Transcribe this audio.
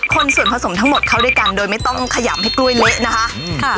คนส่วนผสมทั้งหมดเข้าด้วยกันโดยไม่ต้องขยำให้กล้วยเละนะคะ